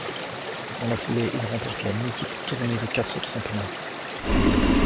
Dans la foulée il remporte la mythique Tournée des Quatre Tremplins.